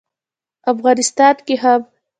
افغانستان کې هم